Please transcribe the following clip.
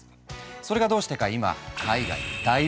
それがどうしてか今海外で大ブーム。